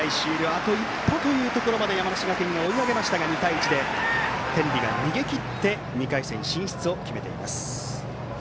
あと一歩というところまで山梨学院が追い上げましたが２対１で天理が逃げ切って２回戦進出を決めています。